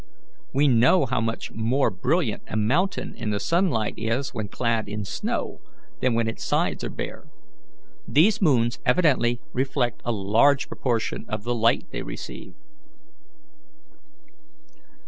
We know how much more brilliant a mountain in the sunlight is when clad in snow than when its sides are bare. These moons evidently reflect a large proportion of the light they receive."